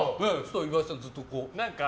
岩井さんずっと。